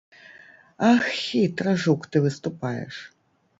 Ах, хітра, жук, ты выступаеш.